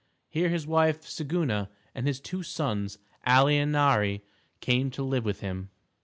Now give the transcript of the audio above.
Here his wife, Siguna, and his two sons, Ali and Nari, came to live with him.